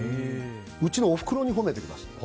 うちのおふくろに褒めてくださった。